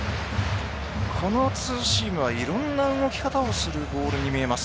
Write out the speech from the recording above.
このツーシームはいろんな動き方をするボールに見えます。